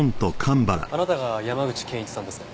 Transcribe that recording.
あなたが山口健一さんですね？